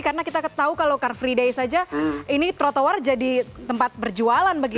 karena kita tahu kalau car free days saja ini protowar jadi tempat berjualan begitu